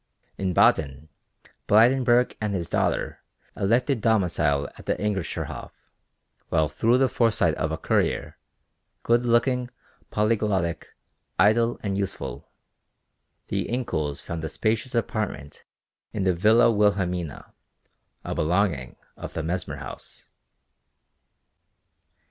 In Baden, Blydenburg and his daughter elected domicile at the Englischerhof, while through the foresight of a courier, good looking, polyglottic, idle and useful, the Incouls found a spacious apartment in the Villa Wilhelmina, a belonging of the Mesmer House.